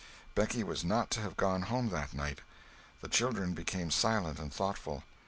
Becky was not to have gone home that night! The children became silent and thoughtful.